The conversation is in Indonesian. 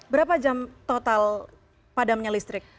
berapa jam total padamnya listrik